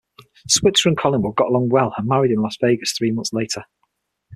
Switzer and Collingwood got along well and married in Las Vegas three months later.